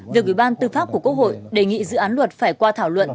việc ủy ban tư pháp của quốc hội đề nghị dự án luật phải qua thảo luận